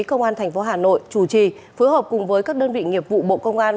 công an tp hà nội chủ trì phối hợp cùng với các đơn vị nghiệp vụ bộ công an